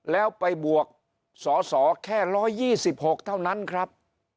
แล้วไปบวกสอสอแค่๑๒๖เท่านั้นครับ